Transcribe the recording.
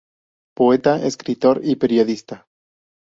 Poeta, escritor y periodista.